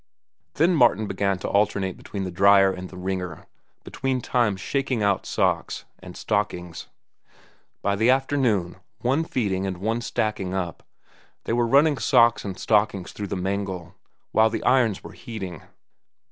Then Martin began to alternate between the dryer and the wringer, between times "shaking out" socks and stockings. By the afternoon, one feeding and one stacking up, they were running socks and stockings through the mangle while the irons were heating.